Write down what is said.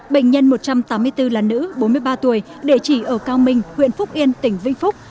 bệnh nhân một trăm tám mươi bốn là nữ bốn mươi ba tuổi địa chỉ ở cao minh huyện phúc yên tỉnh vĩnh phúc